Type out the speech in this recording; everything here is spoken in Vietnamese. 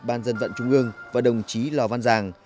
ban dân vận trung ương và đồng chí lò văn giang